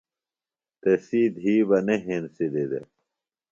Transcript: تسی دِھی بہ نہ ہینسِلیۡ دےۡ۔